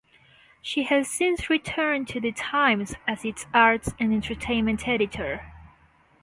She has since returned to the "Times" as its arts and entertainment editor.